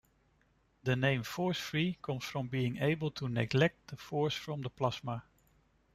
The name "force-free" comes from being able to neglect the force from the plasma.